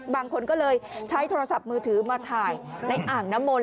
บางคนก็เลยใช้โทรศัพท์มือถือมาถ่ายในอ่างน้ำมนต